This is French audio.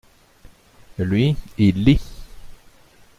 Lui, il lit.